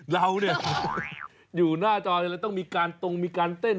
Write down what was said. เราเนี่ยอยู่หน้าจอเราต้องมีการตรงมีการเต้น